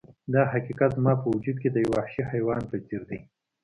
دا حقیقت زما په وجود کې د یو وحشي حیوان په څیر دی